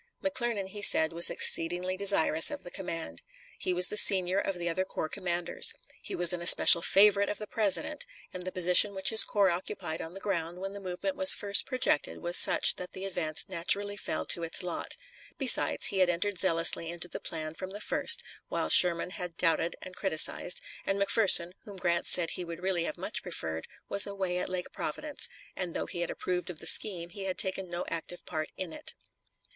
McClernand, he said, was exceedingly desirous of the command. He was the senior of the other corps commanders. He was an especial favorite of the President, and the position which his corps occupied on the ground when the movement was first projected was such that the advance naturally fell to its lot; besides, he had entered zealously into the plan from the first, while Sherman had doubted and criticised, and McPherson, whom Grant said he would really have much preferred, was away at Lake Providence, and though he had approved of the scheme, he had taken no active part in it.